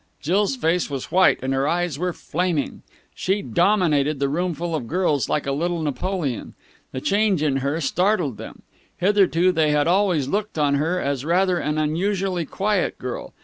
Jill's face was white and her eyes were flaming. She dominated the roomful of girls like a little Napoleon. The change in her startled them. Hitherto they had always looked on her as rather an unusually quiet girl.